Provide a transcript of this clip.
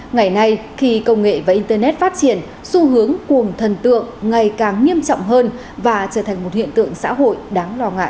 ngày nay khi công nghệ và internet phát triển xu hướng cuồng thần tượng ngày càng nghiêm trọng hơn và trở thành một hiện tượng xã hội đáng lo ngại